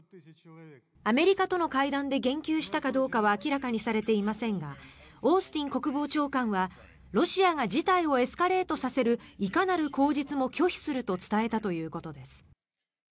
アメリカとの会談で言及したかどうかは明らかにされていませんがオースティン国防長官はロシアが事態をエスカレートさせるいかなる口実も拒否すると伝えたということです。